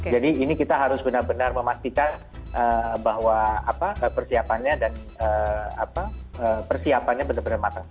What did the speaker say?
jadi ini kita harus benar benar memastikan bahwa persiapannya dan persiapannya